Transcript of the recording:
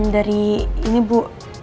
dari ini bu